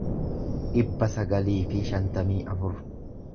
dhibba sagalii fi shantamii afur